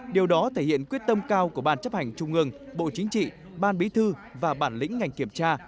điều đó thể hiện quyết tâm cao của ban chấp hành trung ương bộ chính trị ban bí thư và bản lĩnh ngành kiểm tra